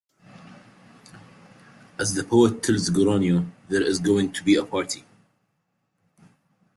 As the poet tells Geronio, there is going to be a party.